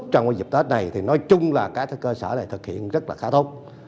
trong dịp tết này thì nói chung là các cơ sở này thực hiện rất là khá tốt